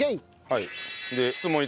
はい。